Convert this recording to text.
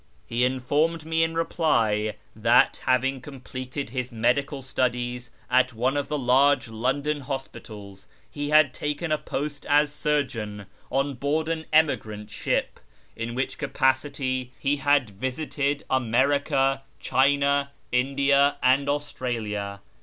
He informed me in reply that, having completed his medical studies at one of the large London hospitals, he had taken a post as surgeon on board an emigrant ship, in which capacity he had visited SHIRAz 269 America, China, India, and Australia.